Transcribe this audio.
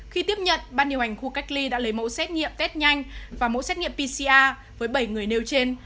khi tiếp nhận ban điều hành khu cách ly đã lấy mẫu xét nghiệm test nhanh và mẫu xét nghiệm pcr với bảy người nêu trên